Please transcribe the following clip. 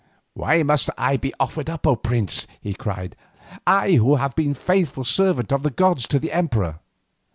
"Why must I be offered up, O prince?" he cried, "I who have been a faithful servant to the gods and to the Emperor."